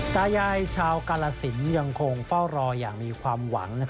ตายายชาวกาลสินยังคงเฝ้ารออย่างมีความหวัง